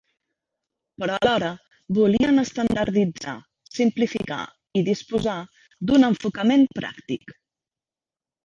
Però alhora volien estandarditzar, simplificar i disposar d'un enfocament pràctic.